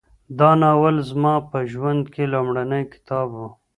دا ناول زما په ژوند کي لومړنی کتاب و.